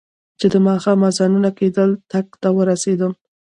چې د ماښام اذانونه کېدل، ټک ته ورسېدم.